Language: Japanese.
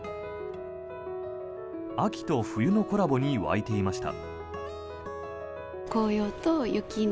秋と冬のコラボに沸いていました。